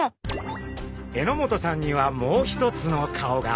榎本さんにはもう一つの顔が。